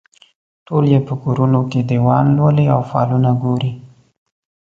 ټول یې په کورونو کې دیوان لولي او فالونه ګوري.